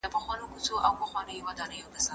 کبابي د غوښې په هرې ټوټې باندې لږه مالګه وپاشله.